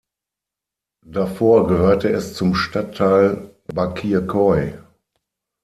Davor gehörte es zum Stadtteil Bakırköy.